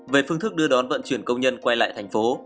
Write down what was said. về phương thức đưa đón vận chuyển công nhân quay lại thành phố